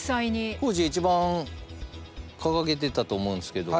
浩二が一番掲げてたと思うんですけど。